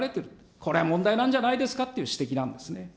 これは問題なんじゃないですかという指摘なんですね。